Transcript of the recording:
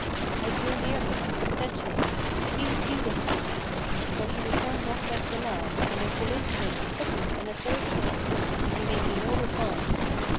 I drew near him and said to him 'Peace be with thee!'; but he returned not my salam and I saluted him a second and a third time; but he made me no reply.